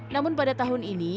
namun pada tahun ini